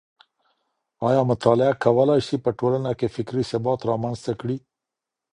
آيا مطالعه کولای سي په ټولنه کي فکري ثبات رامنځته کړي؟